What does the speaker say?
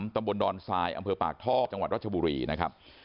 ตำบลดอนทรายอำเภอปากท่อจังหวัดรัชบุรีนะครับ